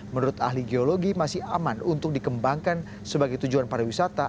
menurut ahli geologi masih aman untuk dikembangkan sebagai tujuan pariwisata